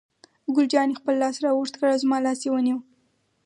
ګل جانې خپل لاس را اوږد کړ او زما لاس یې ونیو.